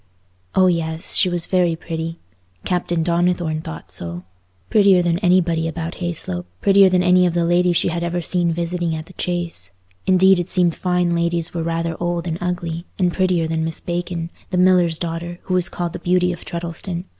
Oh yes! She was very pretty. Captain Donnithorne thought so. Prettier than anybody about Hayslope—prettier than any of the ladies she had ever seen visiting at the Chase—indeed it seemed fine ladies were rather old and ugly—and prettier than Miss Bacon, the miller's daughter, who was called the beauty of Treddleston.